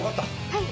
はい。